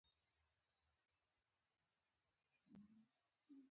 د خوړو خوندیتوب تضمین دی؟